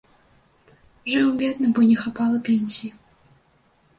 Жыў бедна, бо не хапала пенсіі.